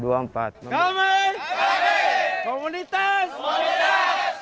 kamen kamen komunitas komunitas